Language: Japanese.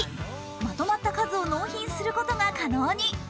まとまった数を納品することが可能に。